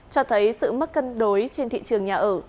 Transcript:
cho thấy sự mất cân đối trên thị trường nhà ở